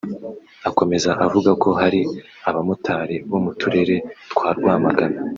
Akomeza avuga ko hari abamotari bo mu turere twa Rwamagana